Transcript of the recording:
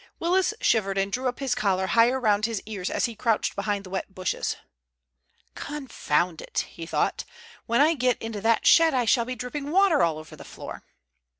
Willis shivered and drew up his collar higher round his ears as he crouched behind the wet bushes. "Confound it," he thought, "when I get into that shed I shall be dripping water all over the floor."